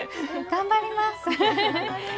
頑張ります。